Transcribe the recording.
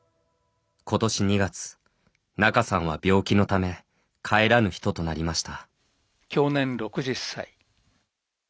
ことし２月仲さんは病気のため帰らぬ人となりました。